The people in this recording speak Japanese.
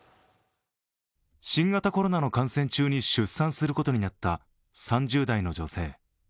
新型コロナの感染中に出産することになった３０代の女性。